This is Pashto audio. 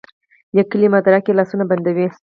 لیکلي مدارک یې لاسونه بندوي.